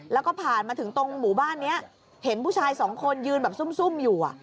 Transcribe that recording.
แล้วก็ผ่านมาถึงตรงหมู่บ้านนี้เห็นผู้ชายสองคนยืนแบบซุ่มอยู่